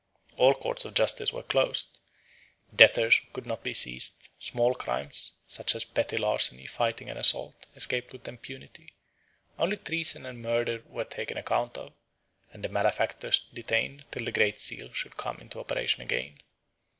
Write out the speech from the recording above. All courts of justice were closed; debtors could not be seized; small crimes, such as petty larceny, fighting, and assault, escaped with impunity; only treason and murder were taken account of and the malefactors detained till the great seal should come into operation again.